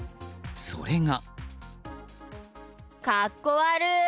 それが。